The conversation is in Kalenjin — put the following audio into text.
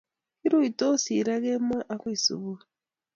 Kiruitosi raa kemo akoi subui